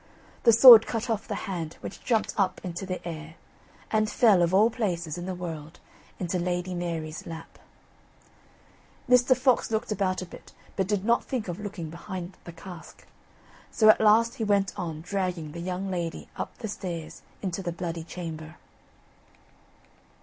The sword cut off the hand, which jumped up into the air, and fell of all places in the world into Lady Mary's lap. Mr. Fox looked about a bit, but did not think of looking behind the cask, so at last he went on dragging the young lady up the stairs into the Bloody Chamber.